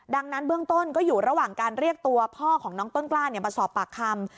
ดังนั้นเบื้องต้นก็อยู่ระหว่างการเรียกตัวพ่อของน้องต้นกล้ามาสอบปากคำ